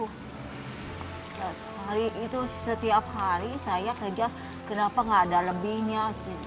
hari itu setiap hari saya kerja kenapa gak ada lebihnya sih